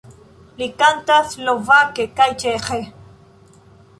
Li kantas slovake kaj ĉeĥe.